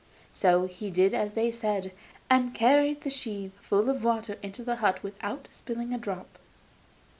So he did what they said, and carried the sieve full of water into the hut without spilling a drop.